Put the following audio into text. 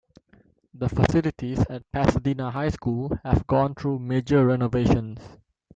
The facilities at Pasadena High School have gone through major renovations.